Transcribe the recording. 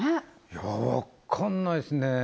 いや分かんないすね